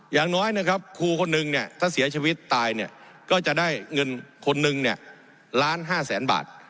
อย่างน้อยนะครับครูคนนึงเนี่ยถ้าเสียชีวิตตายเนี่ยก็จะได้เงินคนนึงเนี่ยล้านห้าแสนบาท